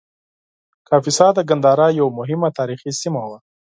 کاپیسا د ګندهارا یوه مهمه تاریخي سیمه وه